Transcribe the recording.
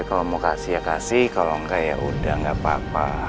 kalau mau kasih ya kasih kalau nggak ya udah nggak apa apa